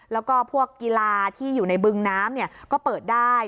แล้วก็พวกกีฬาที่อยู่ในบึงน้ำก็เปิดได้